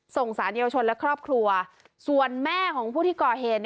สารเยาวชนและครอบครัวส่วนแม่ของผู้ที่ก่อเหตุ